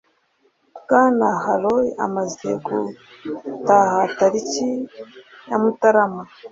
Bwana haroy amaze gutaha tariki ya mutarama